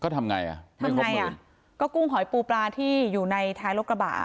เขาทำไงอ่ะทำยังไงอ่ะก็กุ้งหอยปูปลาที่อยู่ในท้ายรถกระบะ